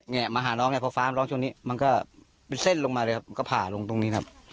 เนี่ยมาหาน้องเนี่ยพอฟ้ามันร้องช่วงนี้มันก็เป็นเส้นลงมาเลยครับก็ผ่าลงตรงนี้ครับ